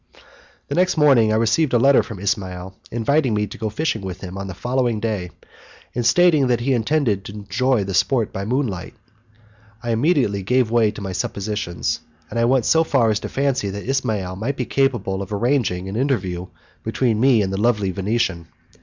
The next morning I received a letter from Ismail inviting me to go fishing with him on the following day, and stating that he intended to enjoy the sport by moonlight. I immediately gave way to my suppositions, and I went so far as to fancy that Ismail might be capable of arranging an interview between me and the lovely Venetian.